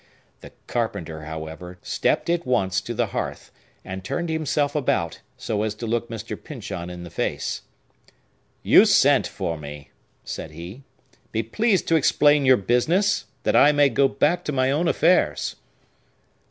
The carpenter, however, stepped at once to the hearth, and turned himself about, so as to look Mr. Pyncheon in the face. "You sent for me," said he. "Be pleased to explain your business, that I may go back to my own affairs."